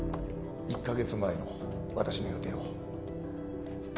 １カ月前の私の予定は？